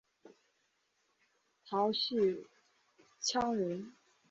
姚绪羌人。